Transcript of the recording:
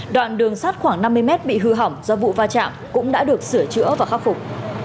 đoạn đường sắt khoảng năm mươi mét bị hư hỏng do vụ va chạm cũng đã được sửa chữa và khắc phục